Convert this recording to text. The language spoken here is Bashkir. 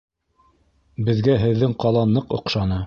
Беҙгә һеҙҙең ҡала ныҡ оҡшаны